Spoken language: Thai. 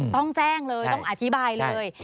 ต้องแจ้งเลยต้องอธิบายเลย